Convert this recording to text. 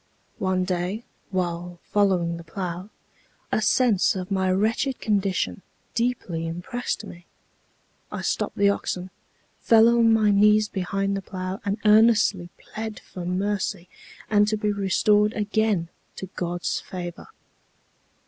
One day, while following the plow, a sense of my wretched condition deeply impressed me. I stopped the oxen, fell on my knees behind the plow, and earnestly pled for mercy, and to be restored again to God's favor.